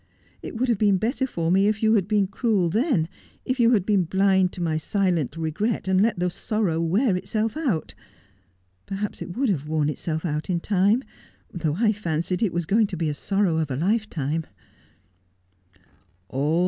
It would have been better for me if you had been cruel then, if you had been blind to my silent regret, and let the sorrow wear itself out. Perhaps it would have worn itself out in time : though I fancied it was going to be the sorrow of a lifetime.'